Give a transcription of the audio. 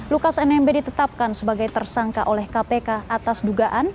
lukas nmb ditetapkan sebagai tersangka oleh kpk atas dugaan